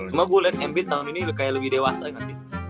cuma gue liat ambit tahun ini kayak lebih dewasa nggak sih